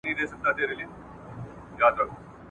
چي دي واچوي قاضي غاړي ته پړی !.